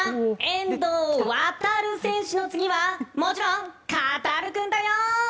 遠藤航選手の次はもちろん、カタルくんだよ！